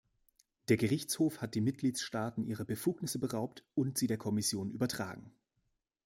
Der Gerichtshof hat die Mitgliedstaaten ihrer Befugnisse beraubt und sie der Kommission übertragen.